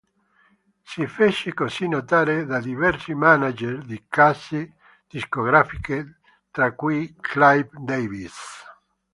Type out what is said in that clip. Si fece così notare da diversi manager di case discografiche tra cui Clive Davis.